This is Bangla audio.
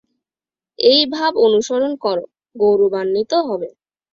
এই ভাব অনুসরণ কর, গৌরবান্বিত হইবে।